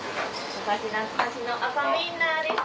昔懐かしの赤ウインナーです。